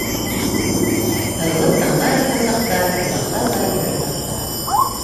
Һыҙылып таңдар атҡан саҡта Илата ла йырлата...